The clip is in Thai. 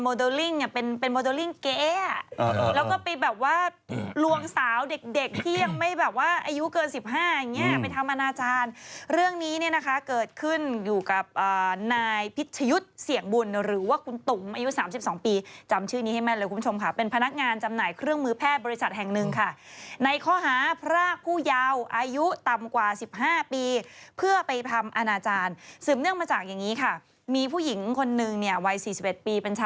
โมเดลลิ้งเป็นโมเดลลิ้งเก๊แล้วก็ไปแบบว่าลวงสาวเด็กที่ยังไม่แบบว่าอายุเกิน๑๕อย่างนี้ไปทำอนาจารย์เรื่องนี้เนี่ยนะคะเกิดขึ้นอยู่กับนายพิษยุทธ์เสี่ยงบุญหรือว่าคุณตุ๋มอายุ๓๒ปีจำชื่อนี้ให้แม่เลยคุณผู้ชมค่ะเป็นพนักงานจำหน่ายเครื่องมือแพร่บริษัทแห่งหนึ่งค่ะในข้อห